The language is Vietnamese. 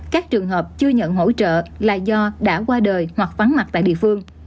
các trường hợp chưa nhận hỗ trợ là do đã qua đời hoặc vắng mặt tại địa phương